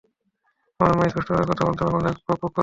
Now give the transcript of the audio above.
আমার মা অস্পষ্টভাবে কথা বলতো এবং অনেক বকবক করতো।